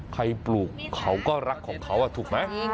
ปลูกเขาก็รักของเขาถูกไหม